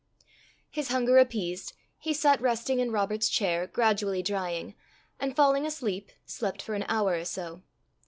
His hunger appeased, he sat resting in Robert's chair, gradually drying; and falling asleep, slept for an hour or so.